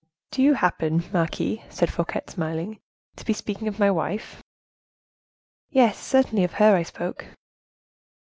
"Do you happen, marquise," said Fouquet, smiling, "to be speaking of my wife?" "Yes, certainly, of her I spoke."